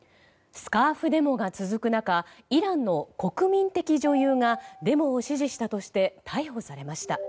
スカーフデモが続く中イランの国民的女優がデモを支持したとして逮捕されました。